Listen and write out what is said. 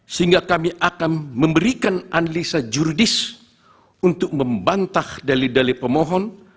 sehingga kami akan memberikan analisa jurdis untuk membantah dalil dali pemohon